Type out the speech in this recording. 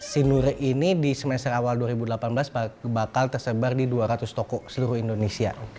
si nur ini di semester awal dua ribu delapan belas bakal tersebar di dua ratus toko seluruh indonesia